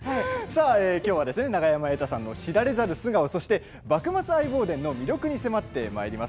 きょうは永山瑛太さんの知られざる素顔「幕末相棒伝」の魅力に迫ってまいります。